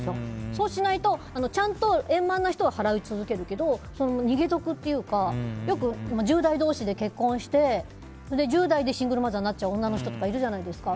そうしないとちゃんと円満な人は払い続けるけど逃げ得っていうかよく１０代同士で結婚して１０代でシングルマザーになっちゃう女の人いるじゃないですか。